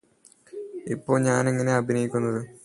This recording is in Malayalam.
ഇപ്പോൾ ഞാനെങ്ങനെയാ അഭിനയിക്കുന്നത്